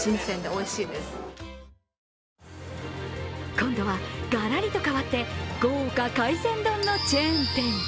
今度はがらりと変わって豪華海鮮丼のチェーン。